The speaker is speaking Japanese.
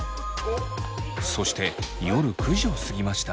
そして夜９時を過ぎました。